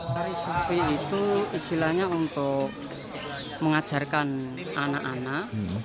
tari sufi itu istilahnya untuk mengajarkan anak anak